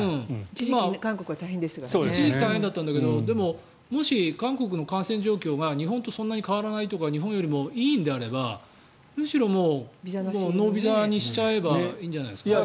一時期は大変でしたが韓国の感染状況が日本とそんなに変わらないとか日本よりいいのであればむしろ、もうノービザにしちゃえばいいんじゃないですかね。